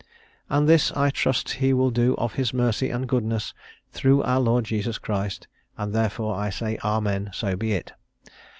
"And this I trust he will do of his mercy and goodness, through our Lord Jesus Christ; And therefore I say Amen, so be it."